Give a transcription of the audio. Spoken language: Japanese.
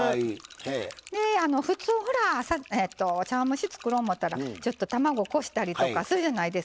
で普通ほら茶碗蒸し作ろう思たらちょっと卵こしたりとかするじゃないですか。